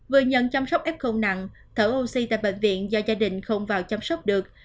vừa nhận chăm sóc f nặng thở oxy tại bệnh viện do gia đình không vào chăm sóc được